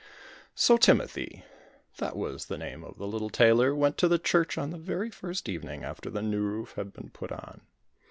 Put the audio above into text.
So Timothy that was the name of the little tailor went to the church on the very first evening after the new roof had been put on.